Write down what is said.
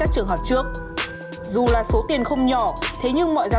chuyển khoản để lấy số trong kịp giờ